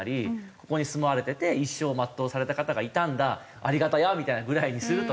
ここに住まわれてて一生を全うされた方がいたんだありがたやみたいなぐらいにするとか。